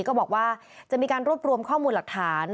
ก็บอกว่าจะมีการรวบรวมข้อมูลหลักฐาน